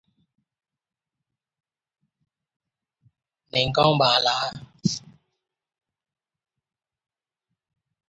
This is important due to concerns regarding supplementarity.